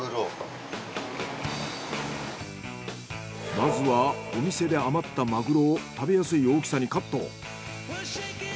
まずはお店で余ったマグロを食べやすい大きさにカット。